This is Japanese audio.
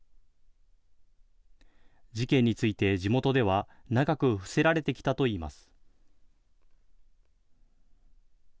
事件について、地元では、長く伏せられてきたといいます。